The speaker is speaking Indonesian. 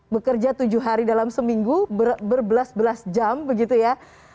bekerja tujuh hari dalam seminggu berbelas belas jam begitu ya